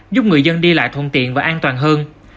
giúp người dân đi lại thuận tiện và an toàn hơn